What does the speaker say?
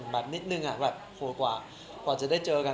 แบบนิดนึงแบบโหกว่าจะได้เจอกัน